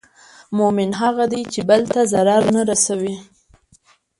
مؤمن هغه دی چې بل ته ضرر نه رسوي.